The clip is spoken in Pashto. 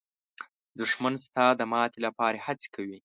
دښمن ستا د ماتې لپاره هڅې کوي